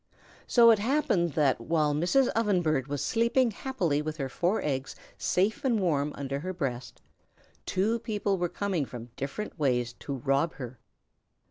So it happened that, while Mrs. Ovenbird was sleeping happily with her four eggs safe and warm under her breast, two people were coming from different ways to rob her.